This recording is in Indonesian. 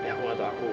aku gak tahu aku